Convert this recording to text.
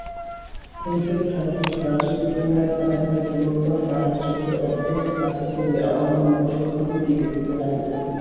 কুণ্ঠিত সভাপতি কার্যবিবরণের খাতাখানি পুনর্বার তাঁহার চোখের অত্যন্ত কাছে ধরিয়া অন্যমনস্কভাবে কী দেখিতে লাগিলেন।